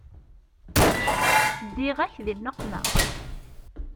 Ddiɣ-ak di nneqma.